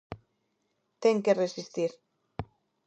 Ten que resistir.